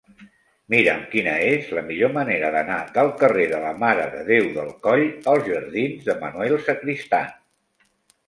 Mira'm quina és la millor manera d'anar del carrer de la Mare de Déu del Coll als jardins de Manuel Sacristán.